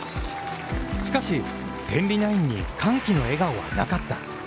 しかし、天理ナインに歓喜の笑顔はなかった。